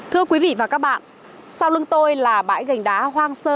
thưa quý vị và các bạn sau lưng tôi là bãi gành đá hoàng sơn